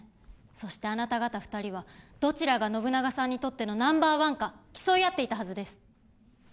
そしてあなた方２人はどちらが信長さんにとってのナンバーワンか競い合っていたはずです。